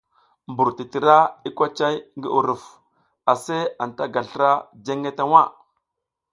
Mbur titira i kocay ngi uruf, aseʼe anta ta ga slra jenge ta waʼa.